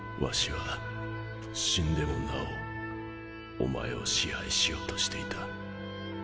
ワシは死んでもなおおまえを支配しようとしていた。